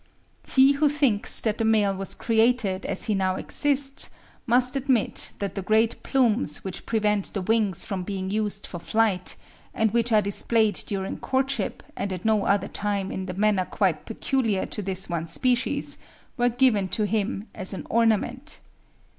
He who thinks that the male was created as he now exists must admit that the great plumes, which prevent the wings from being used for flight, and which are displayed during courtship and at no other time in a manner quite peculiar to this one species, were given to him as an ornament.